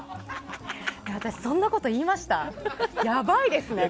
私、そんなこと言いました？